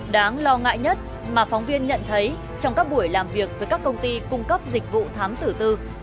đáng lo ngại nhất mà phóng viên nhận thấy trong các buổi làm việc với các công ty cung cấp dịch vụ thám tử tư